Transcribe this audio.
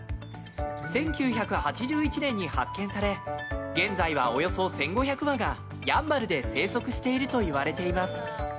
１９８１年に発見され現在はおよそ１５００羽がやんばるで生息しているといわれています。